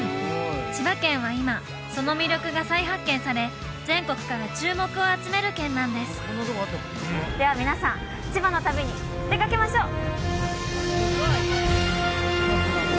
千葉県は今その魅力が再発見され全国から注目を集める県なんですでは皆さん千葉の旅に出かけましょう！